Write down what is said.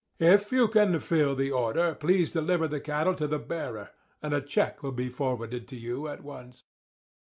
If you can fill the order please deliver the cattle to the bearer; and a check will be forwarded to you at once.